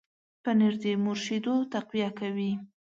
پنېر د مور شیدو تقویه کوي.